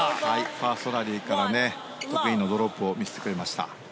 ファーストラリーから得意のドロップを見せてくれました。